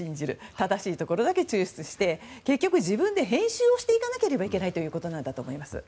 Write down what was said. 正しいところだけ抽出して結局、自分で編集をしていかなければいけないということなんだと思います。